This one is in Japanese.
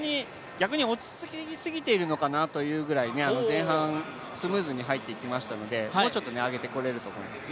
逆に落ち着きすぎてるのかなと思うぐらい前半、スムーズに入っていきましたのでもうちょっと上げていけると思います。